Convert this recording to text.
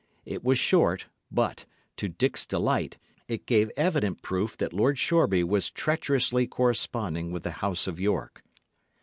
It was short, but, to Dick's delight, it gave evident proof that Lord Shoreby was treacherously corresponding with the House of York.